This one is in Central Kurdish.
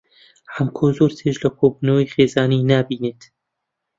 حەمکۆ زۆر چێژ لە کۆبوونەوەی خێزانی نابینێت.